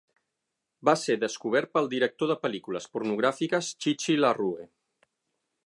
Va ser descobert pel director de pel·lícules pornogràfiques Chi Chi LaRue.